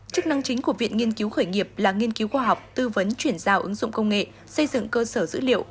chức năng chính của viện nghiên cứu khởi nghiệp là nghiên cứu khoa học tư vấn chuyển giao ứng dụng công nghệ xây dựng cơ sở dữ liệu